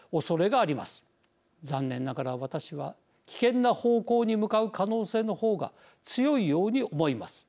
残念ながら私は危険な方向に向かう可能性の方が強いように思います。